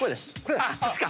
そっちか！